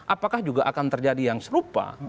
apakah juga akan terjadi yang serupa